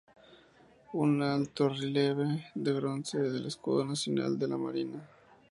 Un altorrelieve de bronce del Escudo Nacional de la Marina.